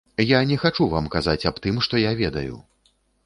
Я не хачу вам казаць аб тым, што я ведаю.